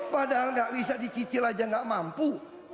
padahal gak bisa dicicil aja gak mampu